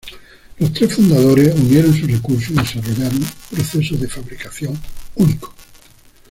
Los tres fundadores unieron sus recursos y desarrollaron un proceso de fabricación único.